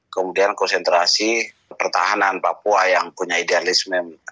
kemudian konsentrasi pertahanan papua yang punya idealisme